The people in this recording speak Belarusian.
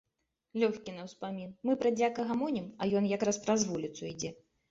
Лёгкі на ўспамін, мы пра дзяка гамонім, а ён якраз праз вуліцу ідзе.